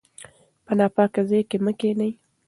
په ناپاکه ځای کې مه کښینئ.